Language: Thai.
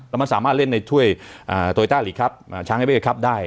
แล้วมันสามารถเล่นในถ้วยโตยต้าลีกครับช้างเอเว่ครับได้